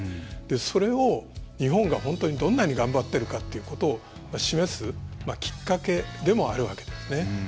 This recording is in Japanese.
それを日本が本当に、どんなに頑張っているかということを示すきっかけでもあるわけですね。